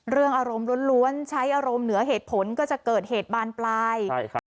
เรื่องอารมณ์ล้วนใช้อารมณ์เหนือเหตุผลก็จะเกิดเหตุบ้านปลาย